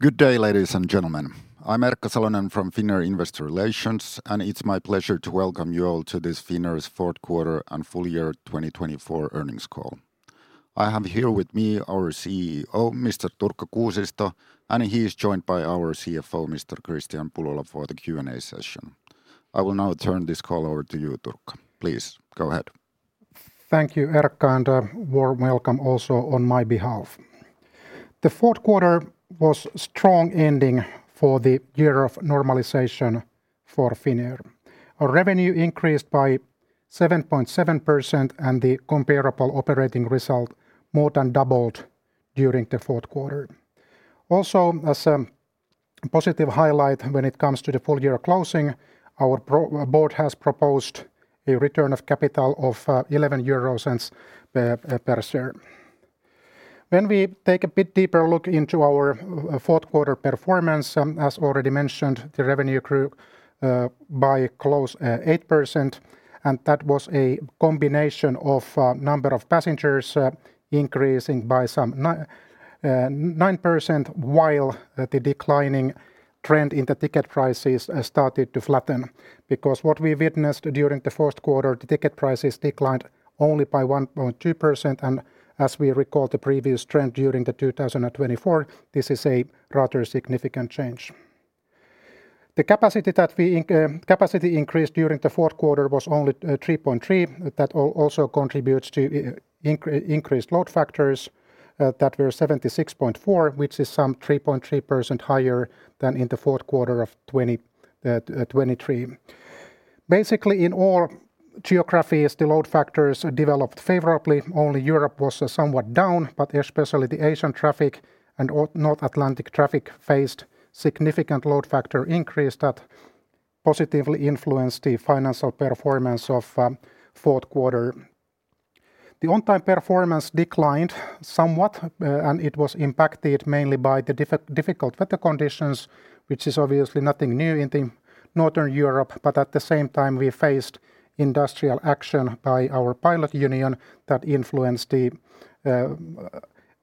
Good day, ladies and gentlemen. I'm Erkka Salonen from Finnair Investor Relations, and it's my pleasure to welcome you all to this Finnair's fourth quarter and full year 2024 earnings call. I have here with me our CEO, Mr. Turkka Kuusisto, and he is joined by our CFO, Mr. Kristian Pullola, for the Q&A session. I will now turn this call over to you, Turkka. Please go ahead. Thank you, Erkka, and warm welcome also on my behalf. The fourth quarter was a strong ending for the year of normalization for Finnair. Our revenue increased by 7.7%, and the comparable operating result more than doubled during the fourth quarter. Also, as a positive highlight when it comes to the full year closing, our board has proposed a return of capital of 0.11 per share. When we take a bit deeper look into our fourth quarter performance, as already mentioned, the revenue grew by close to 8%, and that was a combination of the number of passengers increasing by some 9%, while the declining trend in the ticket prices started to flatten. Because what we witnessed during the fourth quarter, the ticket prices declined only by 1.2%, and as we recall the previous trend during 2024, this is a rather significant change. The capacity increase during the fourth quarter was only 3.3%. That also contributes to increased load factors that were 76.4%, which is some 3.3% higher than in the fourth quarter of 2023. Basically, in all geographies, the load factors developed favorably. Only Europe was somewhat down, but especially the Asian traffic and North Atlantic traffic faced significant load factor increases that positively influenced the financial performance of the fourth quarter. The on-time performance declined somewhat, and it was impacted mainly by the difficult weather conditions, which is obviously nothing new in Northern Europe. But at the same time, we faced industrial action by our pilot union that influenced the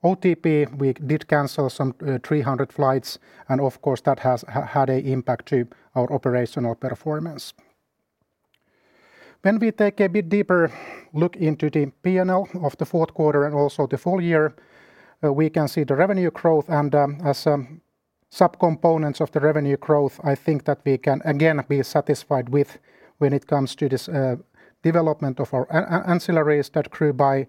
OTP. We did cancel some 300 flights, and of course, that had an impact on our operational performance. When we take a bit deeper look into the P&L of the fourth quarter and also the full year, we can see the revenue growth, and as subcomponents of the revenue growth, I think that we can again be satisfied with when it comes to this development of our ancillaries that grew by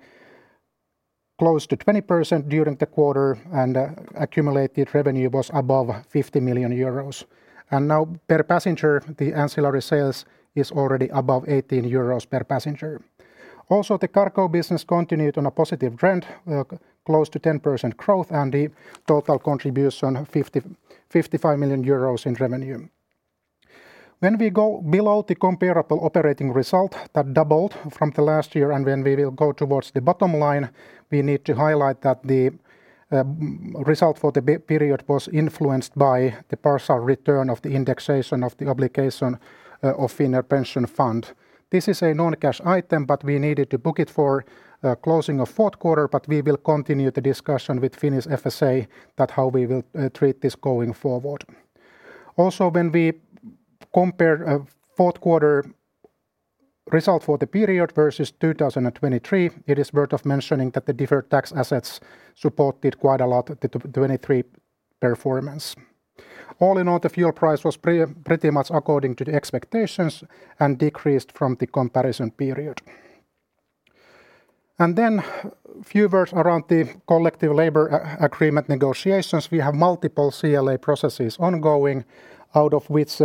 close to 20% during the quarter, and accumulated revenue was above 50 million euros. Now, per passenger, the ancillary sales is already above 18 euros per passenger. Also, the cargo business continued on a positive trend, close to 10% growth, and the total contribution was 55 million euros in revenue. When we go below the comparable operating result, that doubled from the last year, and when we will go towards the bottom line, we need to highlight that the result for the period was influenced by the partial return of the indexation of the obligation of Finnair Pension Fund. This is a non-cash item, but we needed to book it for the closing of the fourth quarter, but we will continue the discussion with Finnish FSA about how we will treat this going forward. Also, when we compare the fourth quarter result for the period versus 2023, it is worth mentioning that the different tax assets supported quite a lot the 2023 performance. All in all, the fuel price was pretty much according to the expectations and decreased from the comparison period. And then a few words around the collective labor agreement negotiations. We have multiple CLA processes ongoing, out of which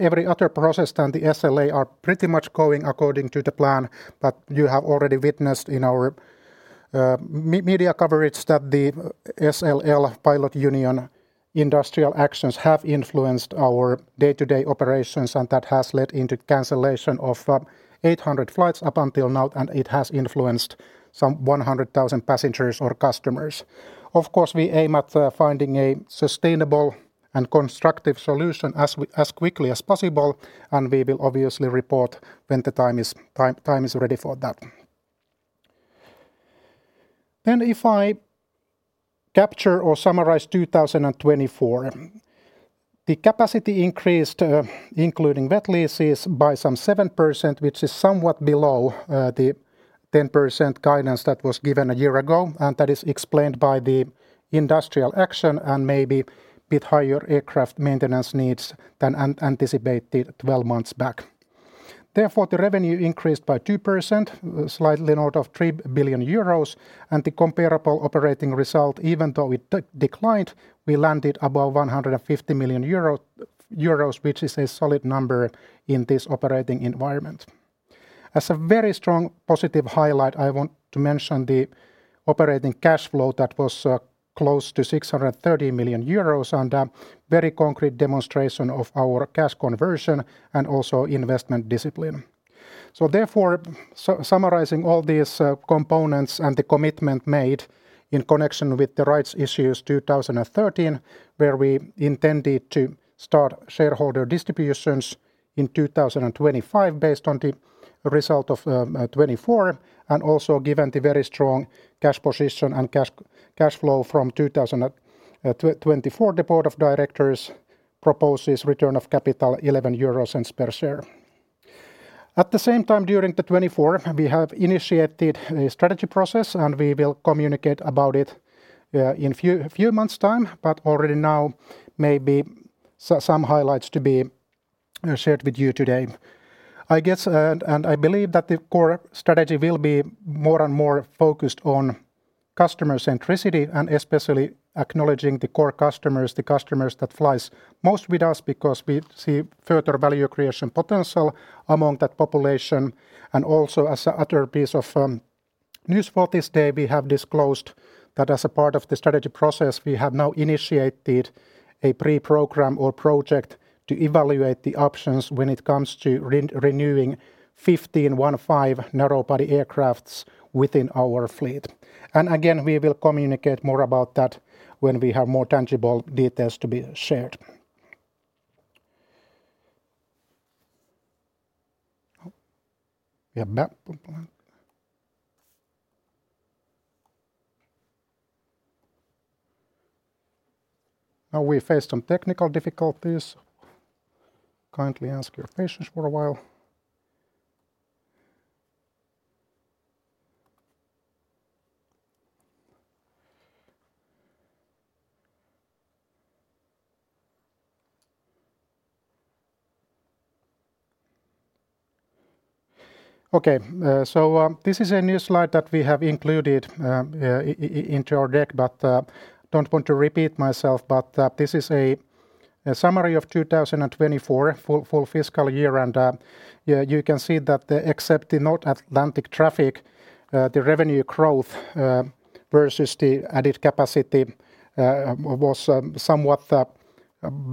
every other process than the SLL are pretty much going according to the plan that you have already witnessed in our media coverage, that the SLL pilot union industrial actions have influenced our day-to-day operations, and that has led into cancellation of 800 flights up until now, and it has influenced some 100,000 passengers or customers. Of course, we aim at finding a sustainable and constructive solution as quickly as possible, and we will obviously report when the time is ready for that. Then, if I capture or summarize 2024, the capacity increased, including wet leases, by some 7%, which is somewhat below the 10% guidance that was given a year ago, and that is explained by the industrial action and maybe a bit higher aircraft maintenance needs than anticipated 12 months back. Therefore, the revenue increased by 2%, slightly north of 3 billion euros, and the comparable operating result, even though it declined, we landed above 150 million euro, which is a solid number in this operating environment. As a very strong positive highlight, I want to mention the operating cash flow that was close to 630 million euros, and a very concrete demonstration of our cash conversion and also investment discipline. So therefore, summarizing all these components and the commitment made in connection with the rights issue 2023, where we intended to start shareholder distributions in 2025 based on the result of 2024, and also given the very strong cash position and cash flow from 2024, the board of directors proposes return of capital 0.11 euros per share. At the same time, during 2024, we have initiated a strategy process, and we will communicate about it in a few months' time, but already now maybe some highlights to be shared with you today. I guess, and I believe that the core strategy will be more and more focused on customer centricity, and especially acknowledging the core customers, the customers that fly most with us, because we see further value creation potential among that population. Also, as another piece of news for this day, we have disclosed that as a part of the strategy process, we have now initiated a pre-program or project to evaluate the options when it comes to renewing 15, 1-5, narrowbody aircraft within our fleet. And again, we will communicate more about that when we have more tangible details to be shared. We have back. Now we face some technical difficulties. Kindly ask your patience for a while. Okay, so this is a new slide that we have included into our deck, but I don't want to repeat myself, but this is a summary of 2024 full fiscal year, and you can see that except the North Atlantic traffic, the revenue growth versus the added capacity was somewhat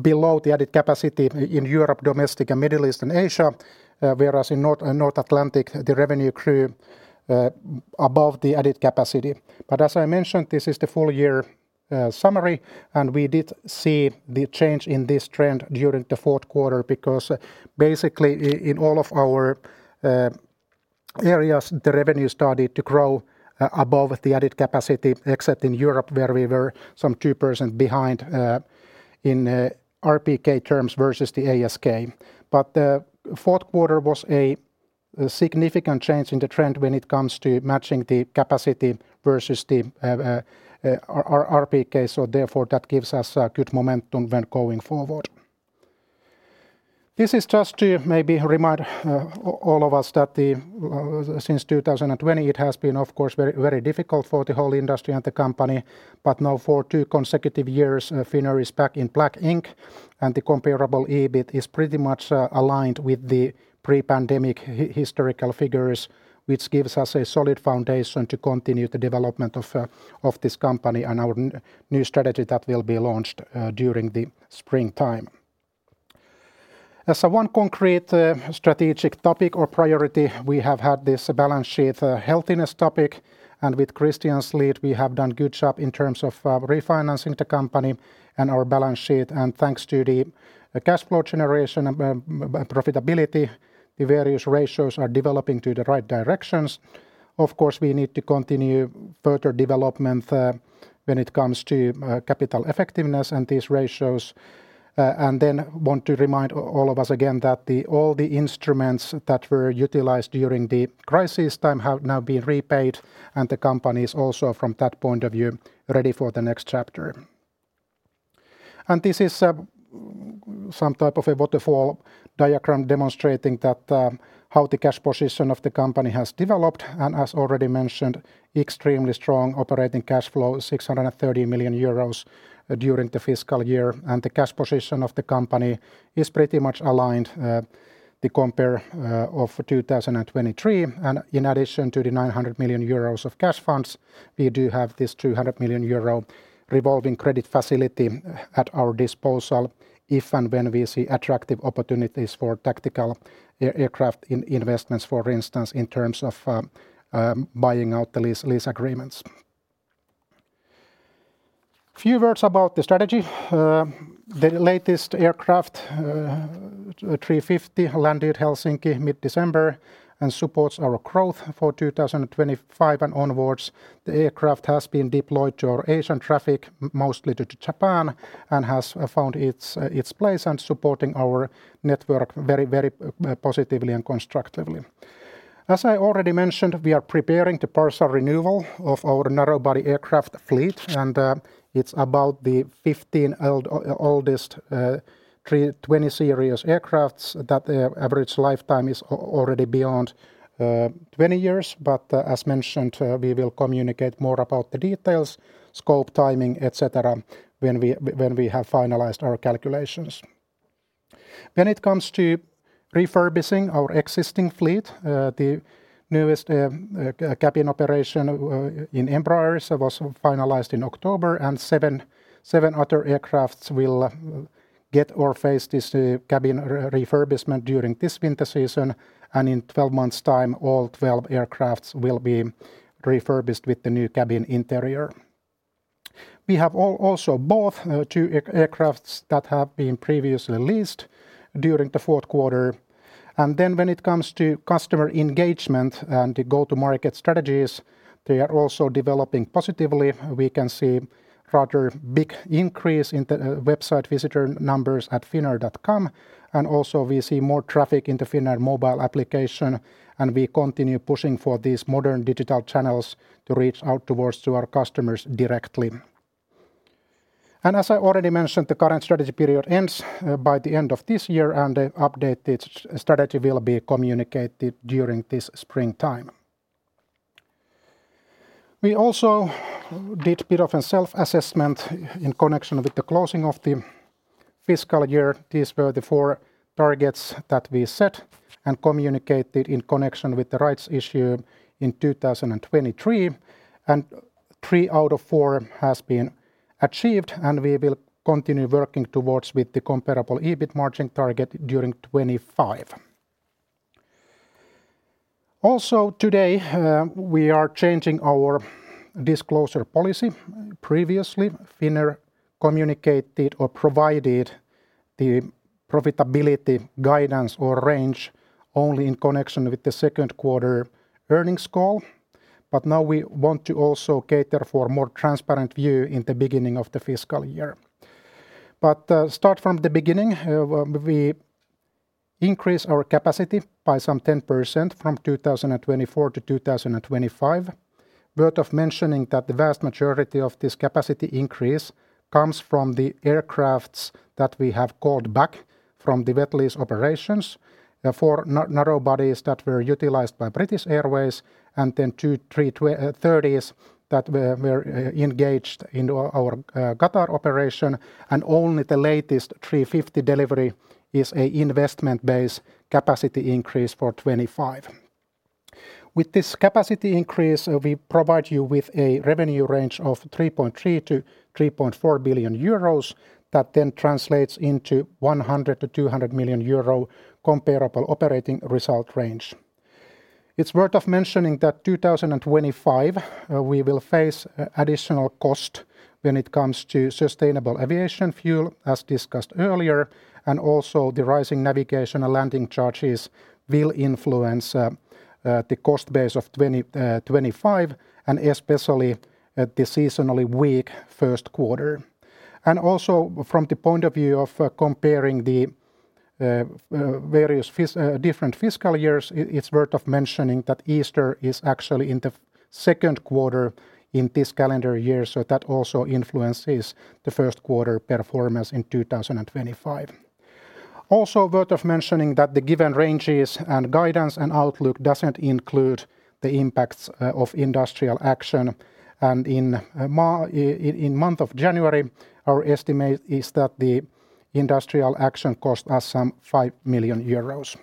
below the added capacity in Europe, domestic and Middle East and Asia, whereas in North Atlantic, the revenue grew above the added capacity. But as I mentioned, this is the full year summary, and we did see the change in this trend during the fourth quarter, because basically in all of our areas, the revenue started to grow above the added capacity, except in Europe, where we were some 2% behind in RPK terms versus the ASK. But the fourth quarter was a significant change in the trend when it comes to matching the capacity versus the RPK, so therefore that gives us a good momentum when going forward. This is just to maybe remind all of us that since 2020, it has been, of course, very difficult for the whole industry and the company, but now for two consecutive years, Finnair is back in black ink, and the comparable EBIT is pretty much aligned with the pre-pandemic historical figures, which gives us a solid foundation to continue the development of this company and our new strategy that will be launched during the springtime. As one concrete strategic topic or priority, we have had this balance sheet healthiness topic, and with Kristian's lead, we have done a good job in terms of refinancing the company and our balance sheet, and thanks to the cash flow generation and profitability, the various ratios are developing to the right directions. Of course, we need to continue further development when it comes to capital effectiveness and these ratios, and then want to remind all of us again that all the instruments that were utilized during the crisis time have now been repaid, and the company is also from that point of view ready for the next chapter. This is some type of a waterfall diagram demonstrating how the cash position of the company has developed, and as already mentioned, extremely strong operating cash flow, 630 million euros during the fiscal year, and the cash position of the company is pretty much aligned to compare with 2023, and in addition to the 900 million euros of cash funds, we do have this 200 million euro revolving credit facility at our disposal if and when we see attractive opportunities for tactical aircraft investments, for instance, in terms of buying out the lease agreements. A few words about the strategy. The latest aircraft, 350, landed Helsinki mid-December and supports our growth for 2025 and onwards. The aircraft has been deployed to our Asian traffic, mostly to Japan, and has found its place and supporting our network very, very positively and constructively. As I already mentioned, we are preparing the partial renewal of our narrowbody aircraft fleet, and it's about the 15 oldest A320 series aircraft that the average lifetime is already beyond 20 years, but as mentioned, we will communicate more about the details, scope, timing, etc., when we have finalized our calculations. When it comes to refurbishing our existing fleet, the newest cabin operation in Embraer was finalized in October, and seven other aircraft will get or face this cabin refurbishment during this winter season, and in 12 months' time, all 12 aircraft will be refurbished with the new cabin interior. We have also bought two aircraft that have been previously leased during the fourth quarter, and then when it comes to customer engagement and the go-to-market strategies, they are also developing positively. We can see a rather big increase in the website visitor numbers at Finnair.com, and also we see more traffic into Finnair Mobile Application, and we continue pushing for these modern digital channels to reach out towards our customers directly, and as I already mentioned, the current strategy period ends by the end of this year, and the updated strategy will be communicated during this springtime. We also did a bit of a self-assessment in connection with the closing of the fiscal year. These were the four targets that we set and communicated in connection with the rights issue in 2023, and three out of four have been achieved, and we will continue working towards the Comparable EBIT margin target during 2025. Also today, we are changing our disclosure policy. Previously, Finnair communicated or provided the profitability guidance or range only in connection with the second quarter earnings call, but now we want to also cater for a more transparent view in the beginning of the fiscal year. But start from the beginning, we increased our capacity by some 10% from 2024 to 2025. Worth mentioning that the vast majority of this capacity increase comes from the aircraft that we have called back from the wet lease operations, four narrowbodies that were utilized by British Airways, and then two 330s that were engaged in our Qatar operation, and only the latest 350 delivery is an investment-based capacity increase for 2025. With this capacity increase, we provide you with a revenue range of 3.3 billion-3.4 billion euros that then translates into 100 million-200 million euro comparable operating result range. It's worth mentioning that in 2025, we will face additional costs when it comes to sustainable aviation fuel, as discussed earlier, and also the rising navigation and landing charges will influence the cost base of 2025, and especially the seasonally weak first quarter, and also from the point of view of comparing the various different fiscal years, it's worth mentioning that Easter is actually in the second quarter in this calendar year, so that also influences the first quarter performance in 2025. Also worth mentioning that the given ranges and guidance and outlook doesn't include the impacts of industrial action, and in the month of January, our estimate is that the industrial action costs us some five million euros,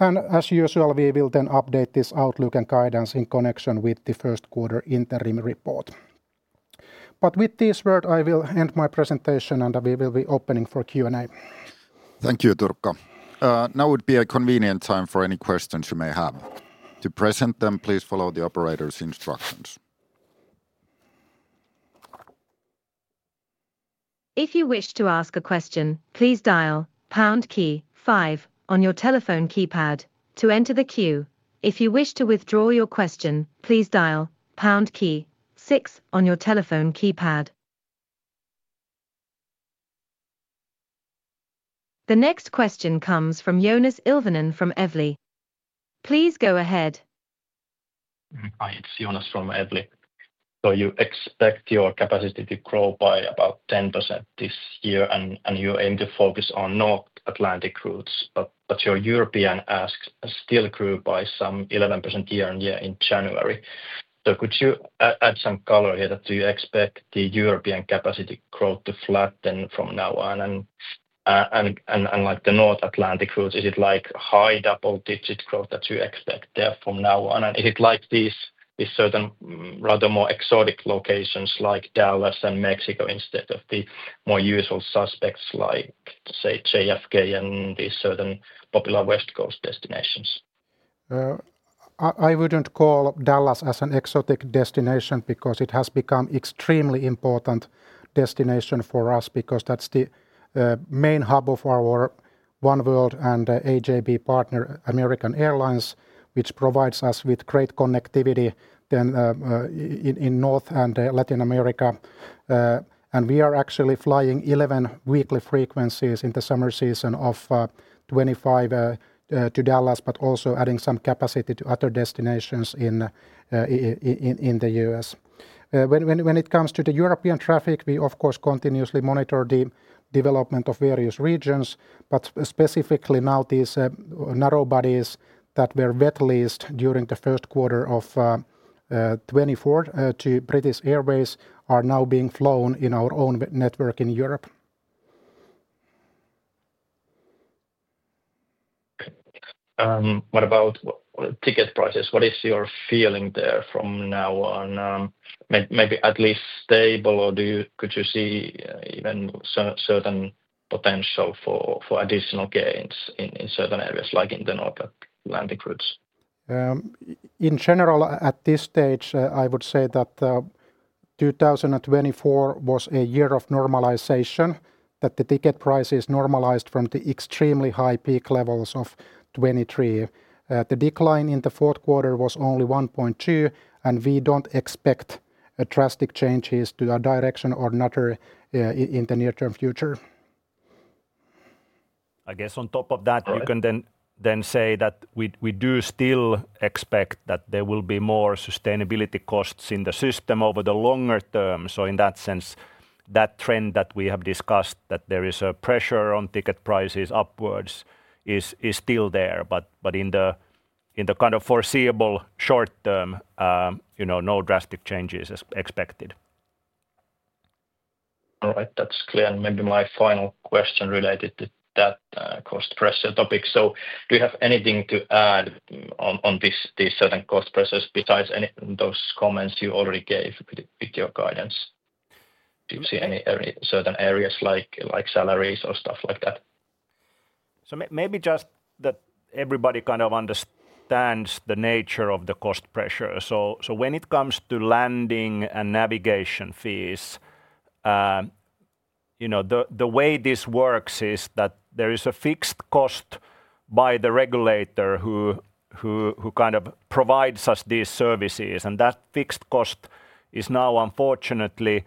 and as usual, we will then update this outlook and guidance in connection with the first quarter interim report. But with these words, I will end my presentation, and we will be opening for Q&A. Thank you, Turkka. Now would be a convenient time for any questions you may have. To present them, please follow the operator's instructions. If you wish to ask a question, please dial #5 on your telephone keypad to enter the queue. If you wish to withdraw your question, please dial #6 on your telephone keypad. The next question comes from Joonas Ilvonen from Evli. Please go ahead. Hi, it's Jonas from Evli. So you expect your capacity to grow by about 10% this year, and you aim to focus on North Atlantic routes, but your European ASK still grew by some 11% year on year in January. So could you add some color here that you expect the European capacity growth to flatten from now on? And like the North Atlantic routes, is it like high double-digit growth that you expect there from now on? And is it like these certain rather more exotic locations like Dallas and Mexico instead of the more usual suspects like, say, JFK and these certain popular West Coast destinations? I wouldn't call Dallas as an exotic destination because it has become an extremely important destination for us, because that's the main hub of our Oneworld and AJB partner, American Airlines, which provides us with great connectivity in North and Latin America. And we are actually flying 11 weekly frequencies in the summer season of 2025 to Dallas, but also adding some capacity to other destinations in the U.S. When it comes to the European traffic, we, of course, continuously monitor the development of various regions, but specifically now these narrowbodies that were wet leased during the first quarter of 2024 to British Airways are now being flown in our own network in Europe. What about ticket prices? What is your feeling there from now on? Maybe at least stable, or could you see even certain potential for additional gains in certain areas like in the North Atlantic routes? In general, at this stage, I would say that 2024 was a year of normalization, that the ticket prices normalized from the extremely high peak levels of 2023. The decline in the fourth quarter was only 1.2%, and we don't expect drastic changes to our direction or another in the near-term future. I guess on top of that, you can then say that we do still expect that there will be more sustainability costs in the system over the longer term. So in that sense, that trend that we have discussed, that there is a pressure on ticket prices upwards, is still there, but in the kind of foreseeable short term, no drastic changes expected. All right, that's clear. And maybe my final question related to that cost pressure topic. So do you have anything to add on these certain cost pressures besides those comments you already gave with your guidance? Do you see any certain areas like salaries or stuff like that? So maybe just that everybody kind of understands the nature of the cost pressure. So when it comes to landing and navigation fees, the way this works is that there is a fixed cost by the regulator who kind of provides us these services, and that fixed cost is now unfortunately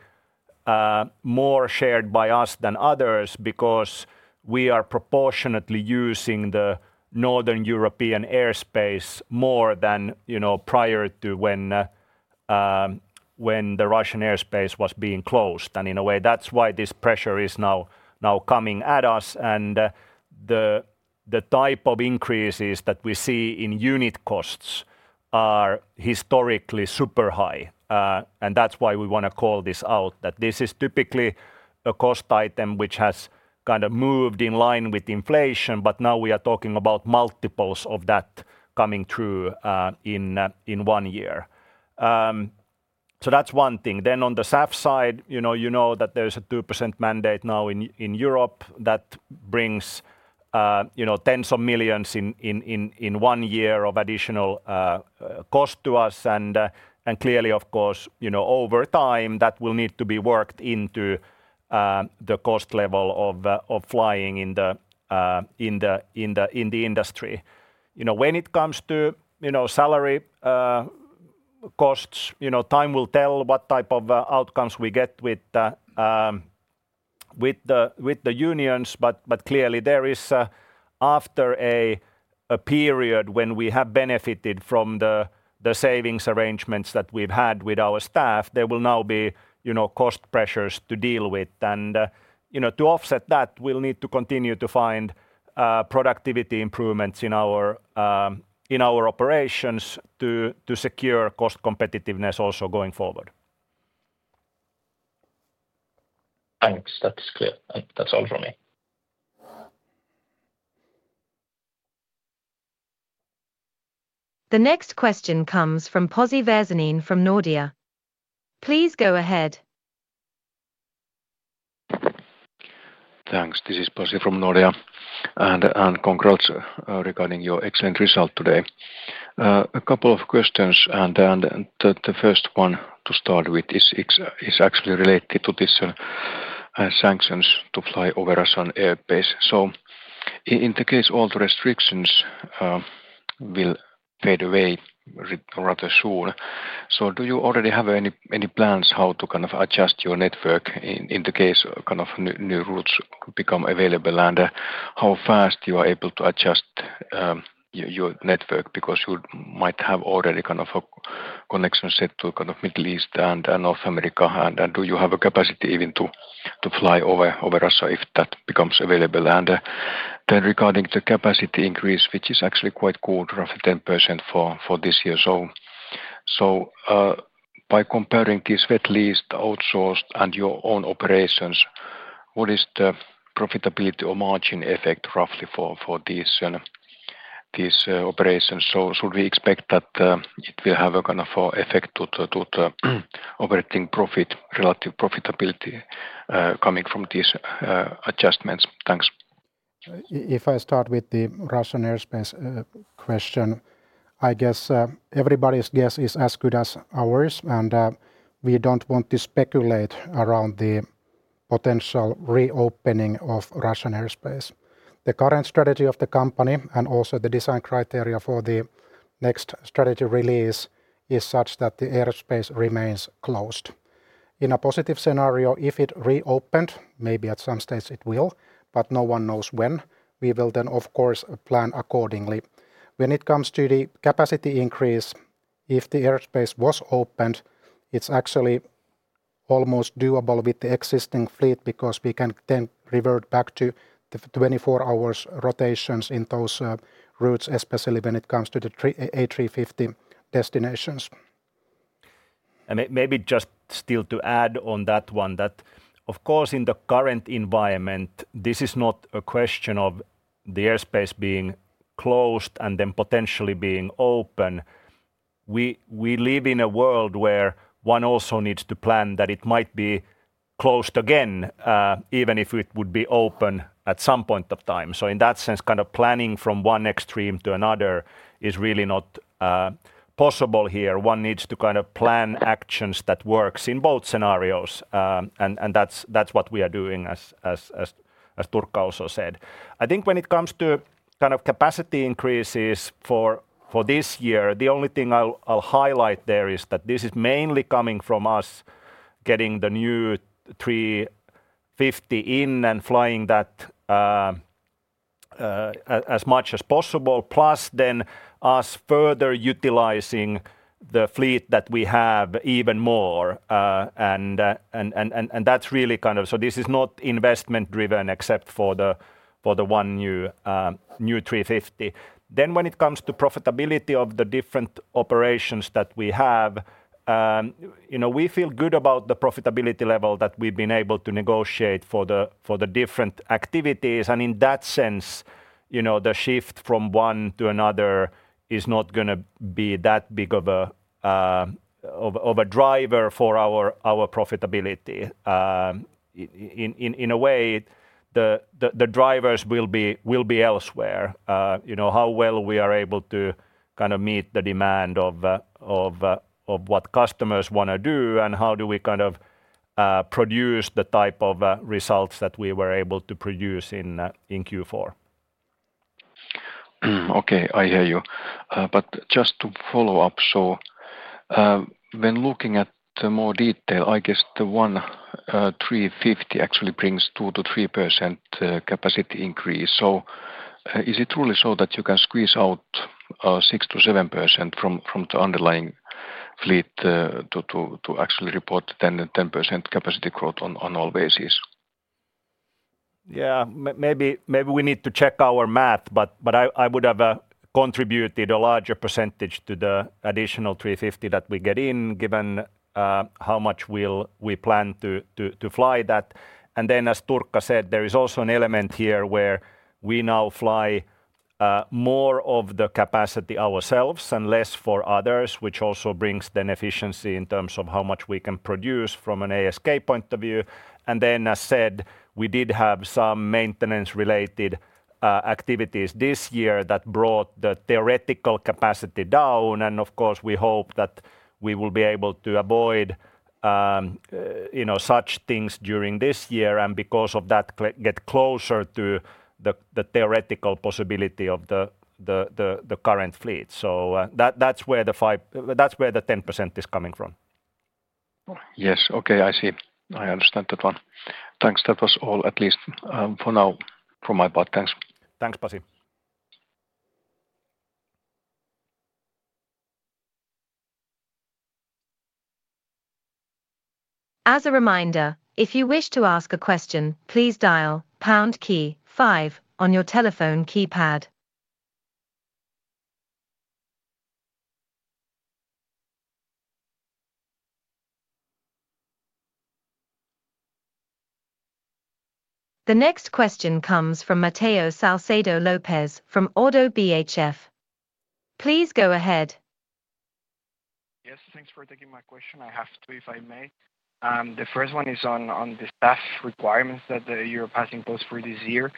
more shared by us than others because we are proportionately using the Northern European airspace more than prior to when the Russian airspace was being closed. And in a way, that's why this pressure is now coming at us, and the type of increases that we see in unit costs are historically super high, and that's why we want to call this out, that this is typically a cost item which has kind of moved in line with inflation, but now we are talking about multiples of that coming through in one year. So that's one thing. Then on the SAF side, you know that there's a 2% mandate now in Europe that brings tens of millions of euros in one year of additional cost to us, and clearly, of course, over time that will need to be worked into the cost level of flying in the industry. When it comes to salary costs, time will tell what type of outcomes we get with the unions, but clearly there is, after a period when we have benefited from the savings arrangements that we've had with our staff, there will now be cost pressures to deal with, and to offset that, we'll need to continue to find productivity improvements in our operations to secure cost competitiveness also going forward. Thanks, that's clear. That's all from me. The next question comes from Pasi Väisänen from Nordea. Please go ahead. Thanks, this is Pasi from Nordea, and congrats regarding your excellent result today. A couple of questions, and the first one to start with is actually related to these sanctions to fly over Russian airspace. So in the case, all the restrictions will fade away rather soon. So do you already have any plans how to kind of adjust your network in the case of kind of new routes become available, and how fast you are able to adjust your network because you might have already kind of a connection set to kind of Middle East and North America, and do you have a capacity even to fly over Russia if that becomes available? And then regarding the capacity increase, which is actually quite good, roughly 10% for this year. So by comparing these wet leased, outsourced, and your own operations, what is the profitability or margin effect roughly for these operations? So should we expect that it will have a kind of effect to the operating profit, relative profitability coming from these adjustments? Thanks. If I start with the Russian airspace question, I guess everybody's guess is as good as ours, and we don't want to speculate around the potential reopening of Russian airspace. The current strategy of the company and also the design criteria for the next strategy release is such that the airspace remains closed. In a positive scenario, if it reopened, maybe at some stage it will, but no one knows when, we will then, of course, plan accordingly. When it comes to the capacity increase, if the airspace was opened, it's actually almost doable with the existing fleet because we can then revert back to the 24-hour rotations in those routes, especially when it comes to the A350 destinations. And maybe just still to add on that one, that of course in the current environment, this is not a question of the airspace being closed and then potentially being open. We live in a world where one also needs to plan that it might be closed again, even if it would be open at some point of time, so in that sense, kind of planning from one extreme to another is really not possible here. One needs to kind of plan actions that work in both scenarios, and that's what we are doing, as Turkka also said. I think when it comes to kind of capacity increases for this year, the only thing I'll highlight there is that this is mainly coming from us getting the new 350 in and flying that as much as possible, plus then us further utilizing the fleet that we have even more. And that's really kind of, so this is not investment-driven except for the one new 350. Then when it comes to profitability of the different operations that we have, we feel good about the profitability level that we've been able to negotiate for the different activities, and in that sense, the shift from one to another is not going to be that big of a driver for our profitability. In a way, the drivers will be elsewhere. How well we are able to kind of meet the demand of what customers want to do, and how do we kind of produce the type of results that we were able to produce in Q4. Okay, I hear you. But just to follow up, so when looking at more detail, I guess the A350 actually brings 2%-3% capacity increase. So is it truly so that you can squeeze out 6%-7% from the underlying fleet to actually report 10% capacity growth on all bases? Yeah, maybe we need to check our math, but I would have contributed a larger percentage to the additional A350 that we get in, given how much we plan to fly that. And then, as Turkka said, there is also an element here where we now fly more of the capacity ourselves and less for others, which also brings then efficiency in terms of how much we can produce from an ASK point of view. And then, as said, we did have some maintenance-related activities this year that brought the theoretical capacity down, and of course, we hope that we will be able to avoid such things during this year and because of that get closer to the theoretical possibility of the current fleet. So that's where the 10% is coming from. Yes, okay, I see. I understand that one. Thanks, that was all at least for now from my part. Thanks. Thanks, Pasi. As a reminder, if you wish to ask a question, please dial #5 on your telephone keypad. The next question comes from Matteo Salcedo Lopez from ODDO BHF. Please go ahead. Yes, thanks for taking my question. I have two, if I may. The first one is on the staff requirements that you're planning for this year.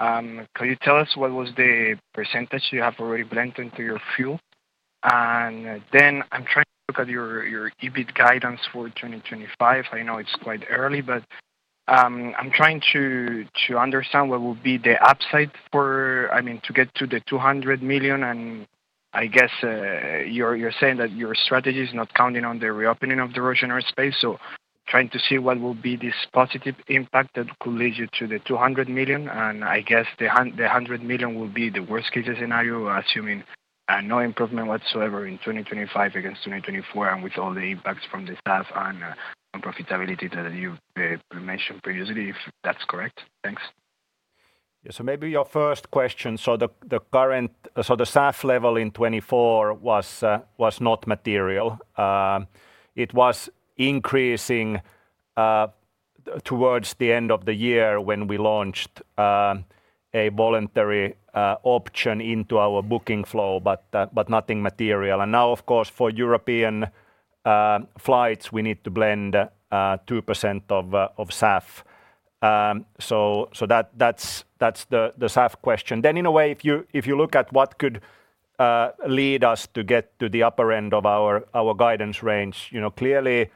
Could you tell us what was the percentage you have already blended into your fuel? And then I'm trying to look at your EBIT guidance for 2025. I know it's quite early, but I'm trying to understand what will be the upside for, I mean, to get to the 200 million. And I guess you're saying that your strategy is not counting on the reopening of the Russian airspace, so trying to see what will be this positive impact that could lead you to the 200 million. I guess the 100 million will be the worst-case scenario, assuming no improvement whatsoever in 2025 against 2024 and with all the impacts from the SAF and profitability that you mentioned previously, if that's correct. Thanks. Yeah, so maybe your first question. The current, so the SAF level in 2024 was not material. It was increasing towards the end of the year when we launched a voluntary option into our booking flow, but nothing material. Now, of course, for European flights, we need to blend 2% of SAF. That's the SAF question. Then in a way, if you look at what could lead us to get to the upper end of our guidance range, clearly,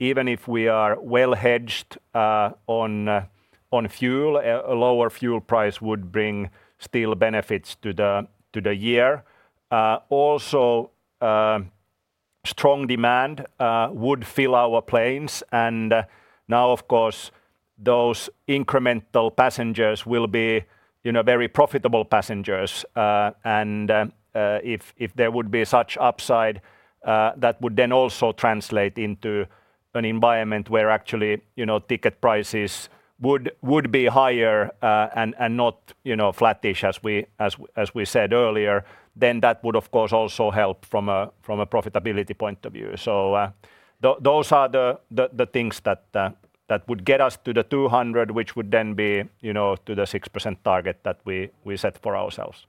even if we are well hedged on fuel, a lower fuel price would bring still benefits to the year. Also, strong demand would fill our planes, and now, of course, those incremental passengers will be very profitable passengers. And if there would be such upside, that would then also translate into an environment where actually ticket prices would be higher and not flattish, as we said earlier, then that would, of course, also help from a profitability point of view. So those are the things that would get us to the 200, which would then be to the 6% target that we set for ourselves.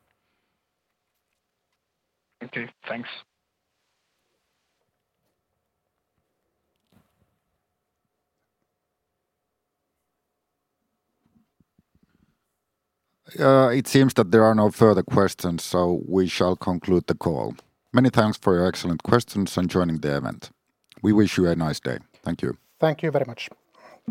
Okay, thanks. It seems that there are no further questions, so we shall conclude the call. Many thanks for your excellent questions and joining the event. We wish you a nice day. Thank you. Thank you very much.